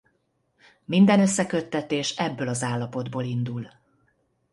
Minden összeköttetés ebből az állapotból indul.